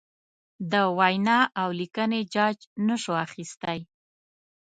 د وینا اولیکنې جاج نشو اخستی.